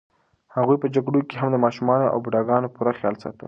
هغوی په جګړو کې هم د ماشومانو او بوډاګانو پوره خیال ساته.